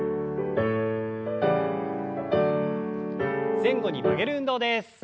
前後に曲げる運動です。